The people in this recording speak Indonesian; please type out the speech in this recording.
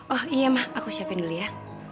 oh iya mah aku siapin dulu ya